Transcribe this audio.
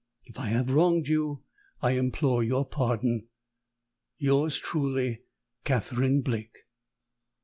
If I have wronged you, I implore your pardon. Yours truly, "CATHERINE BLAKE."